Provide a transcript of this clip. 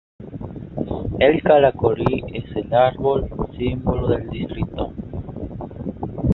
El "Caracolí" es el árbol símbolo del distrito.